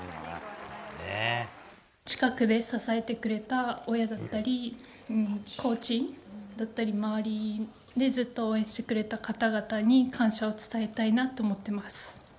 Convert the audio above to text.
近くで支えてくれた親だったり、コーチだったり、周りでずっと応援してくれた方々に、感謝を伝えたいなって思っています。